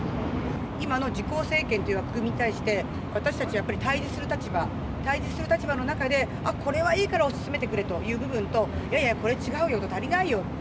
今の自公政権という枠組みに対して私たちはやっぱり対峙する立場、対峙する立場の中でこれはいいから推し進めてくれという部分といやいやこれ違うよと、足りないよと。